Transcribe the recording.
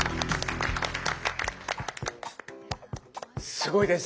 すごいです。